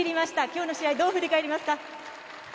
今日の試合、どう振り返りますか。